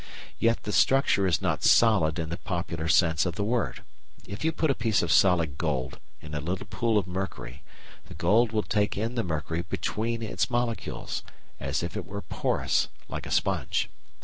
Yet the structure is not "solid" in the popular sense of the word. If you put a piece of solid gold in a little pool of mercury, the gold will take in the mercury between its molecules, as if it were porous like a sponge.